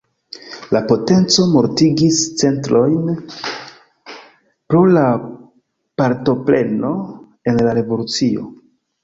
La potenco mortigis centojn pro la partopreno en la revolucio.